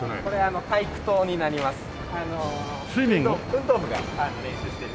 運動部が練習してる。